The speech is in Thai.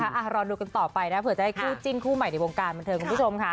จริงค่ะเออนดูข้างต่อไปนะเผื่อจะให้รู้จริงคู่ใหม่ในบริเวณบันเทิมด้วยครับ